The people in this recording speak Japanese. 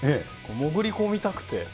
潜り込みたくて？